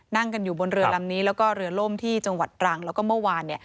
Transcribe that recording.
นั่งกันอยู่บนเรือลำนี้แล้วก็เรือล่มที่จังหวัดตรังแล้วก็เมื่อวาน